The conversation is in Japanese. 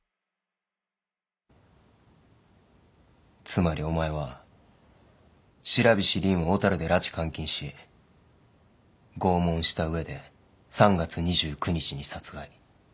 つまりお前は白菱凜を小樽で拉致監禁し拷問した上で３月２９日に殺害。